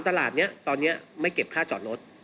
ตลาดนี้ตอนนี้ไม่เก็บค่าจอดรถ